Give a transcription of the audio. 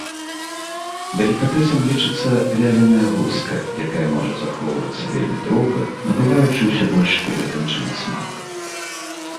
Далікатэсам лічыцца вяленая гусь, якая можа захоўвацца вельмі доўга, набываючы ўсё больш вытанчаны смак.